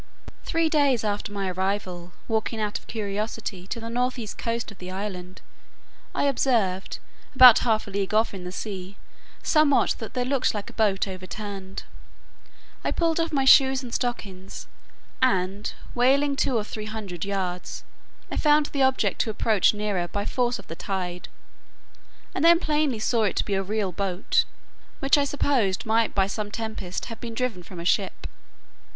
Three days after my arrival, walking out of curiosity to the north east coast of the island, I observed, about half a league off in the sea, somewhat that looked like a boat overturned. I pulled off my shoes and stockings, and, wading two or three hundred yards, I found the object to approach nearer by force of the tide; and then plainly saw it to be a real boat, which I supposed might by some tempest have been driven from a ship.